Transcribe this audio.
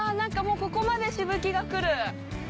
ここまでしぶきが来る。